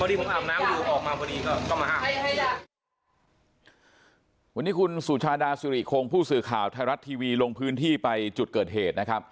วันนี้ผมอาบน้ำอยู่ออกมาพอดีก็เข้ามาห้ามวันนี้คุณสุชาดาสุริคงผู้สื่อข่าวไทยรัฐทีวีลงพื้นที่ไปจุดเกิดเหตุนะครับ